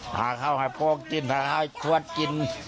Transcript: พาข้าวให้โป๊กกินพาข้าวให้ทวดกิน